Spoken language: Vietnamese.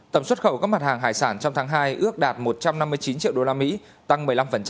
tổng xuất khẩu các mặt hàng hải sản trong tháng hai ước đạt một trăm năm mươi chín triệu đô la mỹ tăng một mươi năm